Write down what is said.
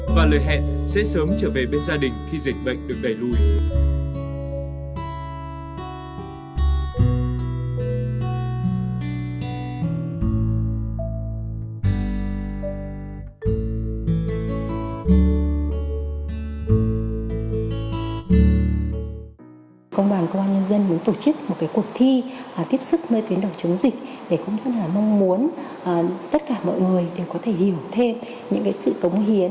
và lời hẹn sẽ sớm trở về bên gia đình khi dịch bệnh được đẩy lùi